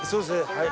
はい。